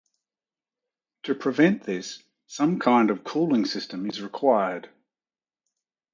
To prevent this, some kind of cooling system is required.